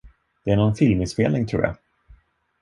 Det är någon filminspelning, tror jag.